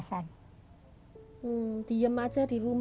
saya tidak kerasa di rumah